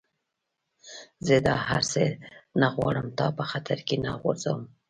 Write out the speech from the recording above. زه دا هر څه نه غواړم، تا په خطر کي نه غورځوم.